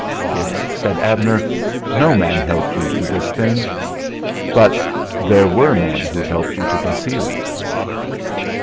"Dix," said Abner, "no man helped you do this thing; but there were men who helped you to conceal it."